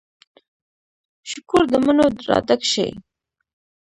شکور د مڼو را ډک شي